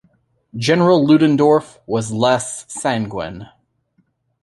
General Ludendorff was less sanguine.